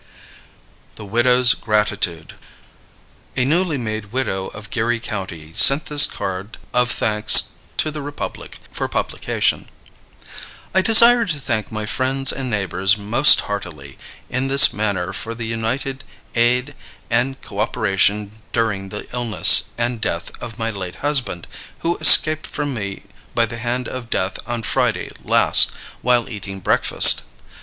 _ THE WIDOW'S GRATITUDE. A newly made widow of Geary County sent this card of thanks to the Republic for publication: "I desire to thank my friends and neighbors most heartily in this manner for the united aid and cooperation during the illness and death of my late husband, who escaped from me by the hand of death on Friday last while eating breakfast.